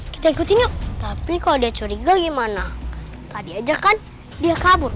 kita ikutin tapi kau dicari giyam mano tadi aja kan dia kabur